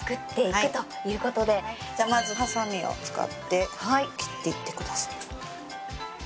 じゃあまずはさみを使って切っていってください。